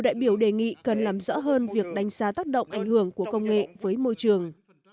đại biểu đề nghị cần làm rõ hơn việc đánh giá tác động ảnh hưởng của công nghệ với môi trường